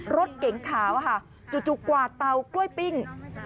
รถเก๋งขาวอะค่ะจุดกว่าเตากล้วยปิ้ง